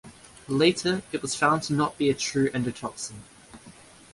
Later, it was found to not be a true endotoxin.